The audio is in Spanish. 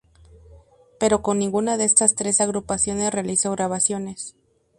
Pero con ninguna de estas tres agrupaciones realizó grabaciones.